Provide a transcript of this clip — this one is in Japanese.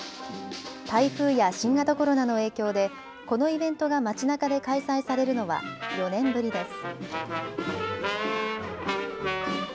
台風や新型コロナの影響でこのイベントが街なかで開催されるのは４年ぶりです。